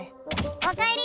おかえり！